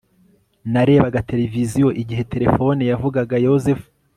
narebaga televiziyo igihe terefone yavugaga yozefu